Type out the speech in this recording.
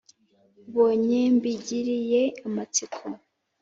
ubonye mbigiriye amatsiko